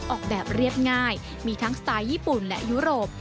ออกแบบเรียบง่ายมีทั้งสไตล์ญี่ปุ่นและยุโรป